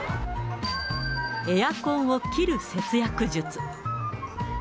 エアコンを切る節約術。